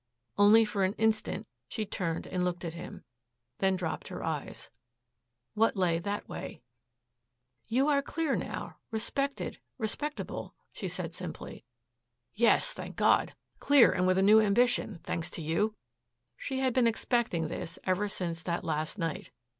Only for an instant she turned and looked at him, then dropped her eyes. What lay that way? "You are clear now, respected, respectable," she said simply. "Yes, thank God. Clear and with a new ambition, thanks to you." She had been expecting this ever since that last night.